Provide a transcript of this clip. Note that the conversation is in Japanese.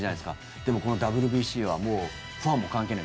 でも、このＷＢＣはファンも関係ない。